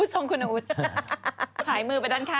ผู้ทรงคุณอุทธิ์ขายมือไปด้านข้าง